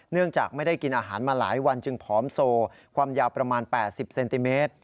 จากไม่ได้กินอาหารมาหลายวันจึงผอมโซความยาวประมาณ๘๐เซนติเมตร